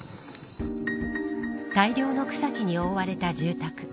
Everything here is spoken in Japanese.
大量の草木に覆われた住宅。